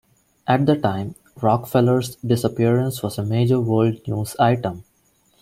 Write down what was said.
At the time, Rockefeller's disappearance was a major world news item.